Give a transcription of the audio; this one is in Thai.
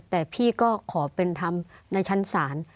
แต่พี่ก็ขอเป็นธรรมในชั้นศาล